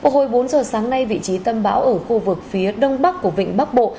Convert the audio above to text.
hồi bốn giờ sáng nay vị trí tâm bão ở khu vực phía đông bắc của vịnh bắc bộ